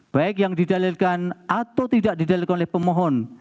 baik yang didalilkan atau tidak didalikan oleh pemohon